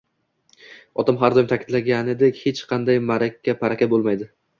Otam har doim ta`kidlaganidek hech qanday ma`raka-paraka bo`lmaydi